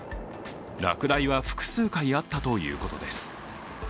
落雷は複数回あったということです。